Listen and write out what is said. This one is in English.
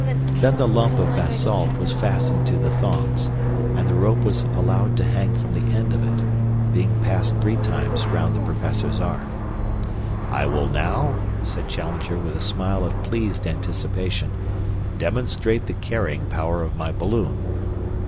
Then the lump of basalt was fastened to the thongs, and the rope was allowed to hang from the end of it, being passed three times round the Professor's arm. "I will now," said Challenger, with a smile of pleased anticipation, "demonstrate the carrying power of my balloon."